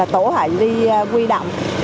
tổ hội đi quy động